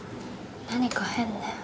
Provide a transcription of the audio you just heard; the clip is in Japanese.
何か変ね。